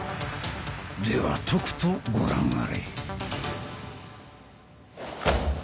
ではとくとご覧あれ！